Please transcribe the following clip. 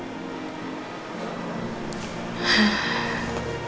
jauh dari orang orang jahat itu